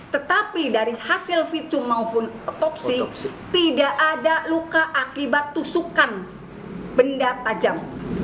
tetapi dari hasil visum maupun otopsi tidak ada luka akibat tusukan benda tajam